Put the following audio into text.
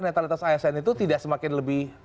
netralitas asn itu tidak semakin lebih